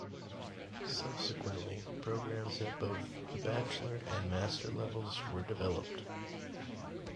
Subsequently, programs at both the Bachelor and Master levels were developed.